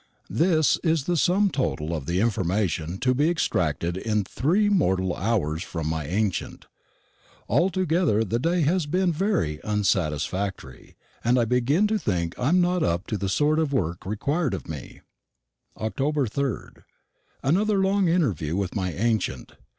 This is the sum total of the information to be extracted in three mortal hours from my ancient. Altogether the day has been very unsatisfactory; and I begin to think I'm not up to the sort of work required of me. Oct. 3rd. Another long interview with my ancient.